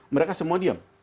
mereka semua diem